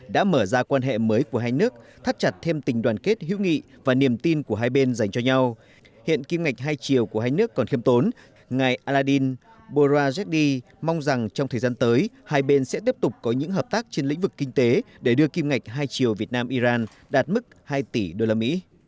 đã mở ra quan hệ mới của hai nước thắt chặt thêm tình đoàn kết hữu nghị và niềm tin của hai bên dành cho nhau hiện kim ngạch hai triều của hai nước còn khiêm tốn ngài aladin borazi mong rằng trong thời gian tới hai bên sẽ tiếp tục có những hợp tác trên lĩnh vực kinh tế để đưa kim ngạch hai triệu việt nam iran đạt mức hai tỷ usd